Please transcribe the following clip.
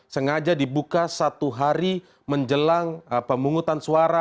sengaja dibuka satu hari menjelang pemungutan suara